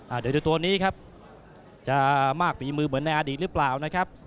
เดี๋ยวดูตัวนี้ครับจะมากฝีมือเหมือนในอดีตหรือเปล่านะครับ